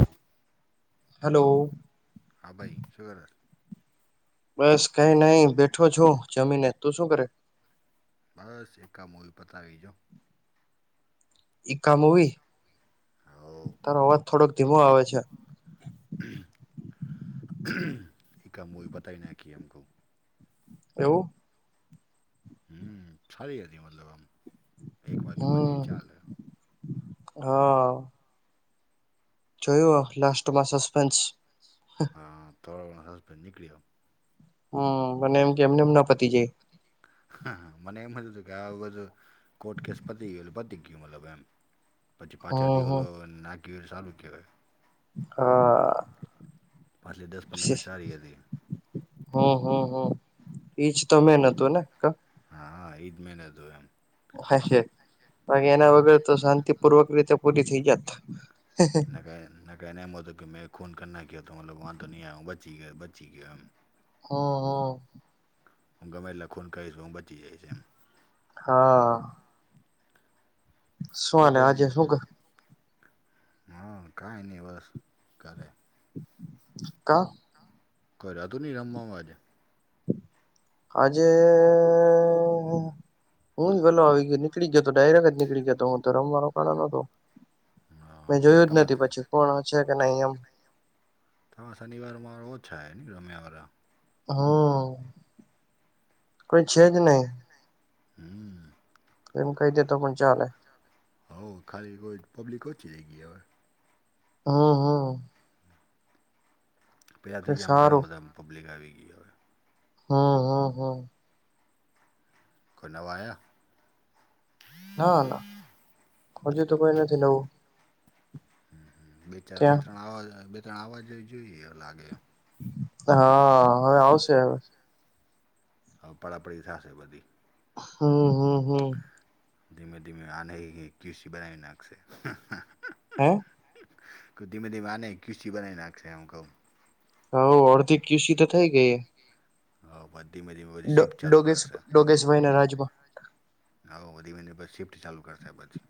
હા હલો હા ભાઈ શુ કરે છ? બસ કઈ નઈ બેઠો છું. જમીને તું શું કરે? બસ ઇક્કા આ મૂવી પતાવી રયો. ઈક્કા મૂવી. હોવ તારો અવાજ થોડોક ધીમો આવે છે. [unintelligible] ઈક્કા મૂવી પતાવી નાયખી એમ કવ. એવું. હમ્મ સારી હતી મતલબ આમ એક વાર જોવા જઈ ચાલે. હ. જોયું લાસ્ટમાં સસ્પેન્સ. હા [unintelligible] નીકળ્યો. હ મને એમ કે એમને એમ ના પતી જાય. હ મને એમજ હતું કે આવું બધું કોર્ટ કેસ પતિ ગયું એટલે પતિ ગયું મતલબ એમ. પછી પાછળ હમ હમ દિવાલો નાખી સારું કેવાય. હા પાછલી દસ અ. પંદર મિનિટ [unintelligible] સારી હતી હો હો હો એઈજ ત મે [unintelligible] હા હા ઈ જ મેન હતું એમ. [unintelligible] બાકી એના વગર તો શાંતિપૂર્વક રીતે પૂરી થઈ જાત. ના કહે ના કહેને એમ હતું કે મેં ખૂન કરી નાખ્યો તો મતલબ વાંધો આવે ની હું બચી ગયો, બચી ગયો એમ. હમ્મ હમ્મ. હું ગમે એટલા ખૂન કરીશ. હું બચી જઈશ એમ. હા. શું હાલે જોકે એમ આજે શું [unintelligible] હ કઈની બસ ઘરે. કાં કરાતુ ની રમવામાં જે આજે ઉં જ વેલો આવી ગયો ને નીકળી જતો ડાયરેક્ટ જ નીકળી જતો હું તો રમવા રોકાણો નતો. મેં હા જોયું જ તમાર નથી પછી કોણ છે કે નઈ એમ હાં શનિવાર મા ઓછા એ રમ્યાવારા હમ્મ. હમ્મ. એમ કઈ દે તો પણ ચાલે હઉ ખાલી હોય પબ્લિક ઓછી [unintelligible] હમ્મ હમ્મ. પેલાંથી જ આમ ઘણા સારું બધા આમ પબ્લિક આવી ગઈ અવે હમ્મ હમ્મ હમ્મ. કોઈ નવા આયા ના ના હજુ તો કોઈ નથી નવું. બે ચાર બે ત્યાં ત્રણ આવા બે ત્રણ આવા જો જોઈએ લાગે એમ. હા હવે આવશે અવે. હા પળાપળી થાશે બધી હમ્મ હમ્મ હમ્મ. ધીમે ધીમે આનેય ઈક્કિસી બનાઈ નાખશે. હં? ક ધીમે ધીમે આનેય ઈક્કીસી બનાઈ નાખશે એમ કઉ હઉ અડધી ક્યુસી તો થઈ ગઈ એ હઉ પછ ધીમે ધીમે વરી શિફ્ટ ચાલુ ડોગેશ કરશે. ડોગેશભાઈ ના રાજમાં હાઉ વ ધીમે ધીમે શિફ્ટ ચાલુ કરશે પછી.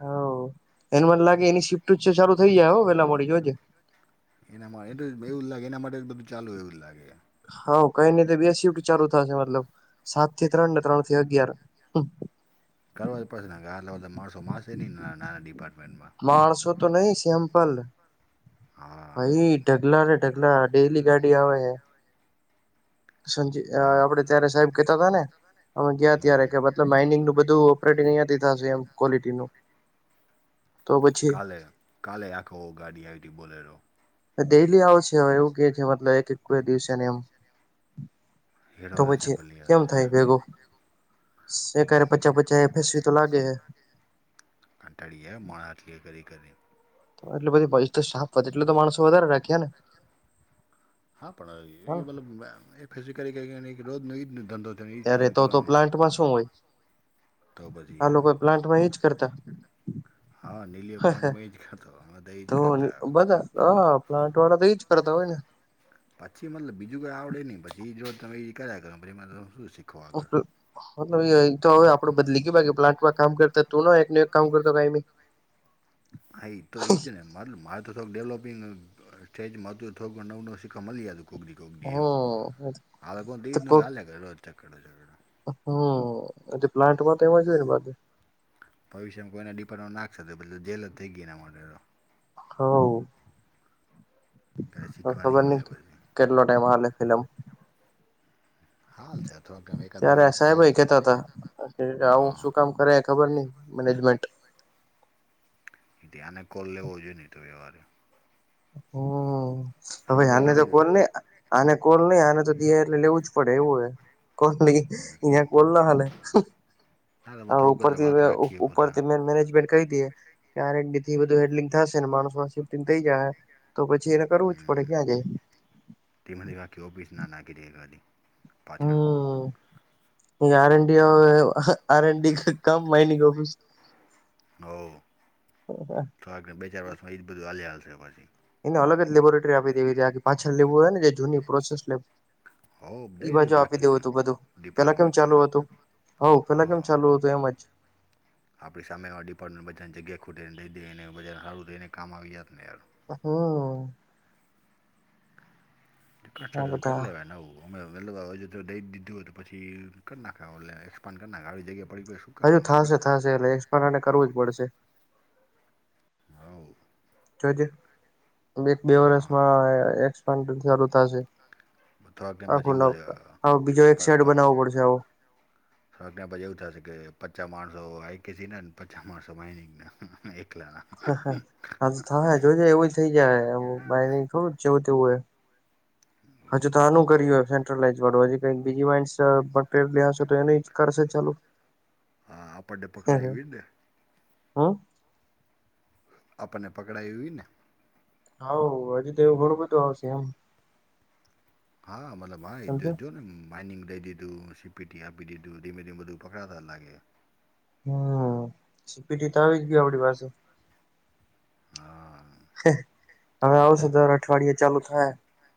હાઉ એને મને લાગે એની શિફ્ટજ ચાલુ થઇ જાય હો વેલા મોળી જોજે એનામાં [unintelligible] એવું જ લાગે એના માટે જ બધું ચાલુ એવું જ લાગે. હાઉ કંઈ નઈ તો બે શિફ્ટ ચાલુ થાશે મતલબ સાત થી ત્રણ ને ત્રણ થી અગિયાર કરવા જ પડશે નકર આટલા બધા માણસો માસે નઈ ના નાના ડિપાર્ટમેન્ટમાં માણસો તો નઈ સેમ્પલ હા એઈ ઢગલા ને ઢગલા ડેલી ગાડી આવે હે સંજી અ હા આપડે જયારે સાહેબ કેતા તા ને અમે ગ્યા ત્યારે કે મતલબ માઇનિંગનું બધું ઓપરેટિંગ અઈયાથી થાશે એમ ક્વોલિટીનું કાલે કાલે રાખો ગાડી આઈ ટી બોલેરો ડેયલી આવે છે હવે એવું કે છે મતલબ એક એક દિવસેને એમ તો હેડવાનો પછી સેમ્પલ લઈ કેમ આવે થાય છે. ભેગું સે કરે પચા પચા એફ એસ વી તો લાગે હે કંટાળી ગ્યા હે માળા એટલી કરી કરી ન તો એટલે બધી [unintelligible] એટલે તો માણસો વધારે રાખ્યા ને હા પણ અવે હા એ મતલબ એ ફિઝિકલી કરી કરીને એક રોજનો ઈજ ધંધો ને ત્યારે તો તો પ્લાન્ટમાં શું હોય તો પછી આ યાર લોકો પ્લાન્ટમાં એ જ કરતા હા નીલીઓ પ્લાન્ટમાં એ જ ખાતો અમે એ જ તો કરતા બધા અ પ્લાન્ટવાળા તો ઈ જ કરતા હોય ને પછી મતલબ બીજું કોઈ આવડે નઈ પછી જો તમે કર્યા કરે મતલ આ તો હવે આપડે બદલી કે બા કે પ્લાન્ટમાં કામ કરતા તું એક એક કામ કરતો. હા તો એ જ ને મા મા તો થો ડેવલોપિંગ સ્ટેજમાંથુ થો નવું નવ શિકકો મળલી કોક દી. ગેમ હમ આળ કો દી ન કડ. હમ પ્લાન્ટ વા તો એમાં જો હોય ને બાકી ભવિષ્યમાં કોઈના ડિપાર્ટમેન્ટ નાખશે જેલ જ થઈ ગય એ ના માટે તો... હા. કાંઈ તો શીખવા નહીં ખબર મળે નહી પછી કેટલો ટાઈમ હાલે ફિલ્મ હાલ છે થોડાક ટાઈમ એકાદ બે ત્યારે વર્ષ તો સાહેબાઈ હાલ કેતા હતા આવું હા શું કામ કર્યા કર ખબર નહિ મેનેજમેન્ટ. ધ્યાને કોલ લેવો જોઈએ નહ. ી તો વ્યવહારે હમ હવે થોડુંક હને તો લડવું કોલ ને આને કોલ નહી આને તો દયા એટલે લેવું જ પડે એવું હોય. કો લ યા કોલ ના ચાલે. ના તમે થોડુંક જ ઉપરથી વાત રાખીએ પોતા ઉપરથી મેનેજમેન્ટ. કહી દએ કે આ થી બધું હેડલિંગ થશે ને માણસ માં શિફ્ટિંગ થઈ જાહે. તો પછી એને કરવુ જ પડે ક્યાં જાય? તીમે દ વા કે ઓફીસ ના નાખી દએ ગલી પાછળ. હ આર એનડી આર એનડી ક મઇનિંગ ઓફિસ હ એને તો આગને બે ચાર વર્ષ એ જ બધું હાલયા જ છે. પછી એને અલગ જ લેબોરેટરી આપ દેવી છે. આ પાછળ લેવું હોય ને જૂની પ્રોસેસ હો ઈ દઈ બાજુ આપી રાખી દેવું દે હતું બધું પેલા કેમ ડિપાર્ટમેન્ટ એમ ચાલુ હ પેલા હા ચાલુ હતું, તો એમ જ- આપણી સામે ડિપાર્ટમેન્ટ બજાને જગ્યા ખોટીનેઈ દે ને બ હારું થઈને કામ આવી ત યાર હમ. આ કરી બધા લેવા નવું, અમે વે દઈ દીધું હોય તો પછી કરી નાખે એક્સપાન્ડ કર નાખે જગ્યા પડી શું કામ હજુ ના કર થશે, થશે એટલે એક્સપરને કરવું જ પડશે હવ જ એક બે માં વર્ષમાં એક્સપાંડ થોડાકને પછી એવું છે આખું બીજો એક સાઈડ બનાવવો પડશે આવો. થોકછી એવું થશે કે પચાસ માણસો આઈકેસીના પચા માણસો માઇનિંગ એકલા ના. હા તો થાય જોઈ જાય એવું થઇ જાય ન થોડું જ જેવું તેવું હો હજુ તો આનું કરી હોય સેન્ટ્રલાઇઝ [unintelligible] ક તો એ કરશે ચાલુ હા આપડે પકડાય એવી ને હા. આપણને પકડાય એવીને? હા હજુ તો એવું ઘણું બધું આવશે એમ હા [unintelligible] મતલબ સમજ્યો ને માઇનિંગ દઈ દીધું સીપીટી આપી દીધું ધીમે ધીમે બધું પકડાતા લાગે... હમ સીપીટી તો આવી જ આપડી પાસે- હ... હે હવે આવશે દર અઠવાડિયે ચાલુ થાય. હા.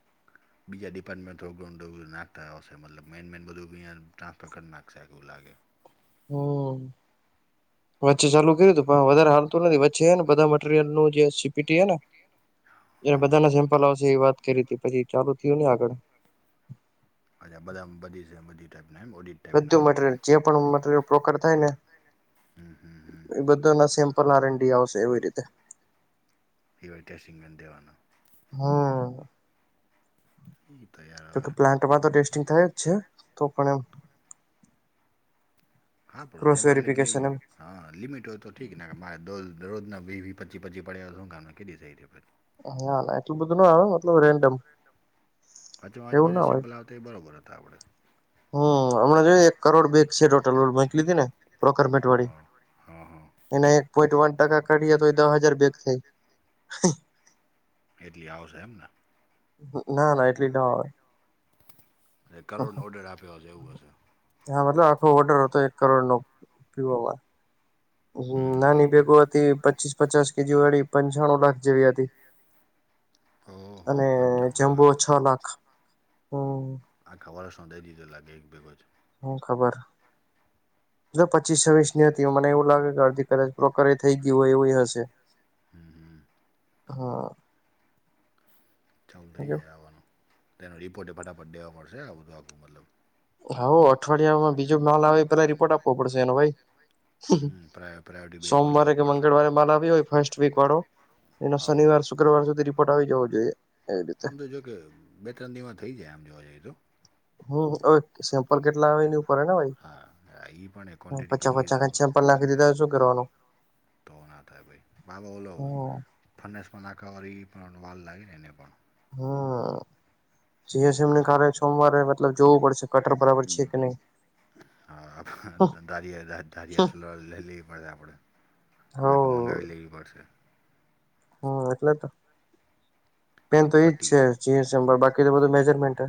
બીજા ડિપાર્ટમેન્ટો ગાઉન્ડ નાખતા હશે મતલબ મેન મેન બધું અં ટ્રાન્ફર કરી નાખશે એવુ લાગે હો વચ્ચે ચાલુ કરયુ હતું પણ વધારે હાલતું નથી વચ્ચે હે ને બધા મટીરિયલનું જે સીપીટી હે ને એ હા હા બધાના સેમ્પલ આવશે વાત કરી હતી પછી ચાલુ થયું ની આગળ અજા બધા બધી છે એ બધી ટાઈપના એમ ઓડિટ ટાઈપના બધું જે મટરિયલ જે પણ મટીરિયલ પ્રકર થાય ને હમ હમ એ હમ બધો ના સેમ પનારંડી આવશે એવી રીતે ઇવાઈ ટેસ્ટિંગને દેવાનું હા તૈયાર તો તો પ્લાન્ટમાં તો ટેસ્ટિંગ થાય જ છે તો પણ એમ હા ક્રોસ પણ વેરિફિકેશન એમ [unintelligible] હા લિમિટ હોય તો ઠીક મારે દરરોજના વી વી પચી પચી પડ્યા હું કામ કે દિયસે પછી હા એટલું બધું ના આવે મતલબ રેન્ડમ એવું ના હોય તે બરોબર હતા આપડે હમ હમણા જોય એક કરોડ બેગ છે ટોટલ બેન્ક લીધી ને પ્રોકમેટ વાળી હા હા હા એના એક પોઈન્ટ વન ટકા કાઢીએ તો દહ હાજાર ભેગા થાય એટલી આવશે એમને ના ના એટલી ન આવે ને કરોડનો ઓર્ડર આપ્યો હશે એવું હશે હા મતલબ આખો ઓર્ડર હતો એક કરોડનો [inaudible] હ હમ નાની એક બેેગો હતી પચીસ પચાસ કેજી વાળી પંચાણું લાખ જેવી હતી [inaudible] ઓહો અને પંચાવન જમબુ લાખ છ લાખ હમ આખા વર્ષમાં દઈ દીધો લાગે એક બેગ જ હું ખબર એ તો પચીસ છવ્વીસની હતી મને એવું લાગે કે અડધી કદચ પ્રોકરે થઈ ગય હોય એવું હશે હમ હમ હા ચાલ થઇ જાય આવાનું તેનો રિપોર્ટ એ ફટાફટ દેવા મળશે આ બધું આખું મતલબ હા અઠવાડિયામાં બીજો માલ આવે પેલા રિપોર્ટ આપવો પડશે એનો ભાઈ હમ પ્રા પ્રાયોરિટી બેઝમાં સોમવારે લેવું કે પડશે. મંગળવારે માલ આવયો હોય ફર્સ્ટવીક વાળો એનો હવ. શુક્રવાર સુધી રિપોર્ટ આવી જવો જોઈએ એવી રીતે આમ તો જો કે બે ત્રણ દિવમાં થઈ જાય આમ જોવા જઈએ તો હમ વ સેમ્પલ કેટલા આવે એની ઉપર હે ને ભાઈ હા ઈ પણ હ ક્વોન્ટિટી પચા કેટલી તો પચાના સેમ્પલ નાખી દીધા શું કરવાનું તો ના થાય ભાઈ બાબા ઓલો હમ ફરનેસમાં નાખવા વારી પણ વાર લાગે ને એને પણ હા જીસ એમને પછી કાલે સોમવારે મતલબ જોવું પડશે કટર બરાબર છે હમ. કે નહી હા હા [unintelligible] મંગાવી લેવી પડશે હમ એટલે તો મેંન તો પટ્ટી છે [unintelligible] બાકી તો બધું મેજરમેન્ટ હે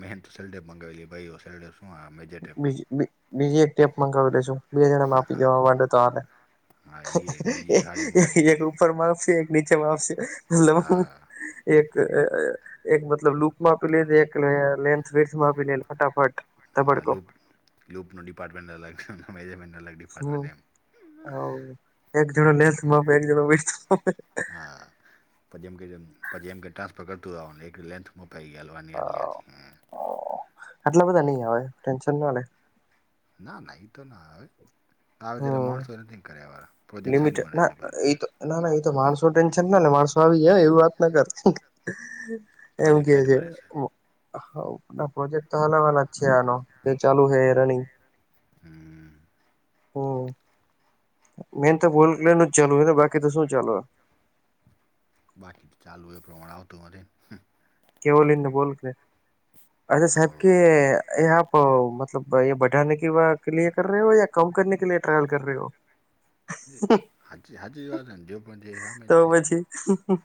મેન તો સલ્ડે મંગાવેલી ભાઈ ઓ સલ્ડે બી બી બીજી એક ટેપ મગાવી લેશું બેજણા આપી હા જવા માંડે તો હાલે હા એ બીજી ખારી ઉંમર, [unintelligible] એક હા રૂ [unintelligible] [unintelligible] હા લુપ લુપનો ડિપાર્ટમેન્ટ અલગ મેજમેન્ટ અલગ હમ્મ ડિપાર્ટમેન્ટ એમ હવ એક જણો લેન્થ માપે એક જણો વિડથ માપે હા પછી એમ કે પછી એમ કે ટ્રાન્સફર કરતું રેવાનું એક લેન્થ મપાય આલવાની આટલી આટલી એમ આટલા બધા નય આવે ટેન્શન ના લે ના ના એતો ના આવે આવે જેલા હમ માણસો નથી કર્યા વારા પ્રોજેક્ટ લિમિટ સાઈડમાં ના રહેશે પસી એ તો ના ના એતો માણસો ટેન્શન ના લે માણસો આવી જાય એવી વાત ના કર [unintelligible] એમ પ્રોજેક્ટ કે છે સાઈડમાં રહેશે હવ આ પ્રોજેક્ટ તો હલાવાલાનો જ છે આનો એ ચાલુ હે રનિંગ હમ્મ. હમ્મ. મેન તો બોલલેનું ચલવુંને બાકી તો શું ચલાવાનું બાકી ત ચાલુ હોય એય પ્રમાણે આવતું [unintelligible] કેવોલિનને બોલ કે અછા સાહેબ કે હવ આપ મતલબ એ બઢાને કે વા કે લિયે કર રહો યા કમ કરને કે લીયે ટ્રાયલ કર રહે હો? [unintelligible] હાચે હાચી વાતન જે પણ છે એ હામે તો છે. [unintelligible]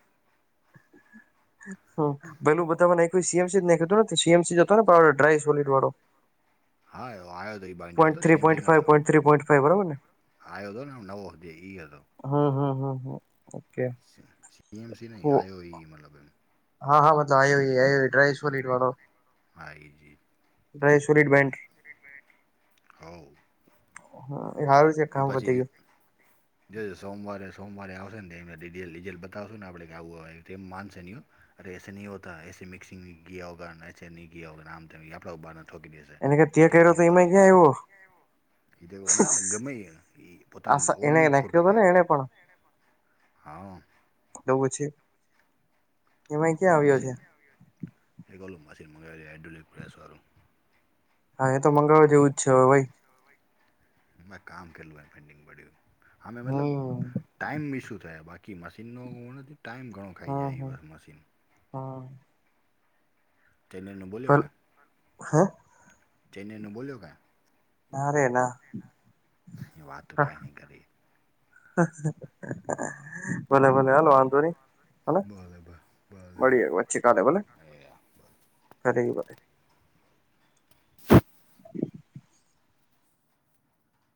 પેલું બધામાં નાયખું સેમ સેમ નેખું તો સીએમસી હતોને ડ્રાય સોલડવાળો હા આયો તો એ બાઈન્ડર થ્રી પોઈન્ટ સેમસીનો હતો. Five point three point five બરાબર આયો તો ને નવો ઈ હતો. હ હ હ હ. ઓકે સી એમ સી નહી આયો એ મતલબ હા હા મતલબ આયો એ આયો એ ડ્રાય સોલિડવાળો હા, એજ એજ આયસોલીટ બેન્ડ હવ હા [unintelligible] એ પછી જ જો સોમવારે સોમવારે આવશેને એમને ડીટેલ ડીજેલ બતાવશું ને આપડ કે આવું હો એ માનશે નય હ અરે એસા નહી હોતા એસે મિક્સિંગ ગીયા હોગા નેચે ગિયા આમતેમ આપડા પર બાના ઠોકી દે. એને કે તે કર્યો ટેસ્ટિંગ તો એમાં ક્યાં આવ્યો [unintelligible] ગમેએ ઇ પોતાનું આ ઓ એને નહી નાખ્યો ખોટું હતો કે ને એને પણ હા. દવું છે. એક છે મશીન એત ઓલું મંગાયું હાઇડ્રોલિક પ્રેશર હા એ તો મંગાવવા જેવું જ છે હવે ભાઈ મે કામ કરલું પેન્ડિંગ પડ્યું હા મેં મતલબ હમ ટાઈમ મીશું થાય બાકી મશીનનો હુ નથી ટાઈમ ઘણો ખાઈ હમ જાય એ હમ બસ મશીન હા. [unintelligible] હે ના રે ના વાતો કાંઈ નહી કરી. [inaudible] [unintelligible] ભલે ભલે હાલો વાંધો નહીં ભલે બોલે બા બોલે મળીએ પછી કાલે ભલે એ [unintelligible]